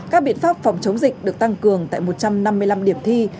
các biện pháp phòng chống dịch được tăng cường tại một trăm năm mươi năm điểm thi